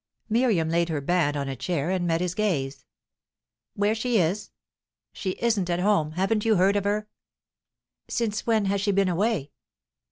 Miriam laid her band on a chair, and met his gaze. "Where she is?" "She isn't at home. Haven't you heard of her?" "Since when has she been away?"